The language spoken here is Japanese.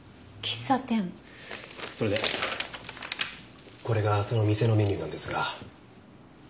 それでこれがその店のメニューなんですが。